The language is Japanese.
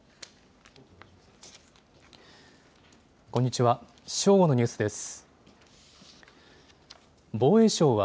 こんにちは。